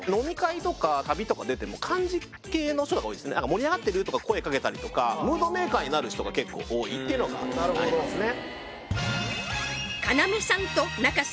「盛り上がってる？」とか声かけたりとかになる人が結構多いっていうのがありますね